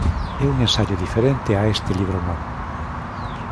É un ensaio diferente a este libro novo.